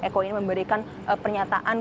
eko ini memberikan pernyataan